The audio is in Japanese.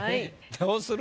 どうする？